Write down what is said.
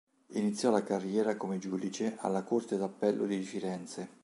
Iniziò la carriera come giudice alla Corte d'Appello di Firenze.